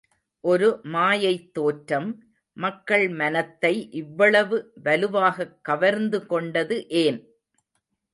ஒரு மாயைத்தோற்றம், மக்கள் மனத்தை இவ்வளவு வலுவாகக் கவர்ந்து கொண்டது ஏன்?